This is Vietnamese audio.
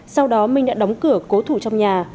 sau đó minh đã đóng cửa cố thủ trong nhà